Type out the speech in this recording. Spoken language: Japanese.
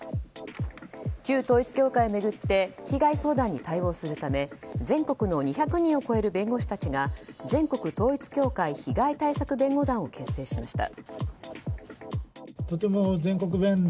旧統一教会を巡って被害相談に対応するため全国の２００人を超える弁護士たちが全国統一教会被害対策弁護団を結成しました。